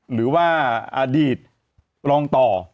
หรือว่าอดีตรองต่อ